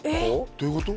どういうこと？